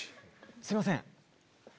すいません。